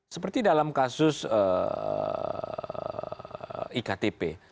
seperti dalam kasus iktp